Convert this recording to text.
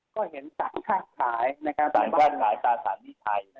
ก็เห็นสัตว์ค่าขายนะครับสัตว์ค่าขายตราสารหนี้ไทย